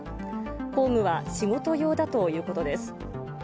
工具は仕事用だということです。